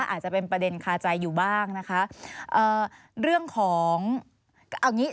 อาจจะเป็นประเด็นคาใจอยู่บ้างนะคะเอ่อเรื่องของเอางี้